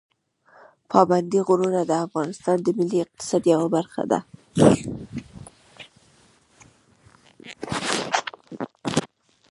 پابندي غرونه د افغانستان د ملي اقتصاد یوه برخه ده.